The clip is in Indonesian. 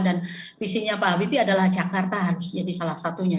dan visinya pak habibi adalah jakarta harus jadi salah satunya